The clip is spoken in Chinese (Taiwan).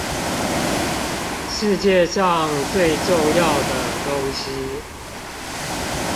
世界上最重要的東西